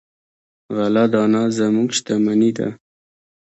غله دانه زموږ شتمني ده.